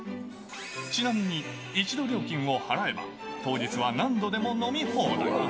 ちなみに１度料金を払えば、当日は何度でも飲み放題。